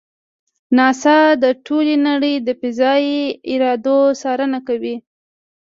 ناسا د ټولې نړۍ د فضایي رادار څارنه کوي.